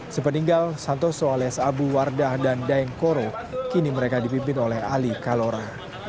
sepeninggal santoso alias abu wardah dan daeng koro kini mereka dipimpin oleh ali kalora